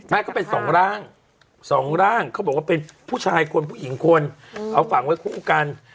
ก็เป็นสองร่างสองร่างเขาบอกว่าเป็นผู้ชายคนผู้หญิงคนเอาฝังไว้คู่กัน